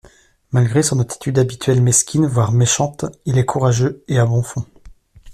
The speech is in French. Malgré son attitude habituelle mesquine, voir méchante il est courageux et a bon fond.